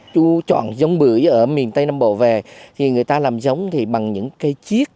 chu chọn giống bưởi ở miền tây nam bộ về thì người ta làm giống thì bằng những cây chiết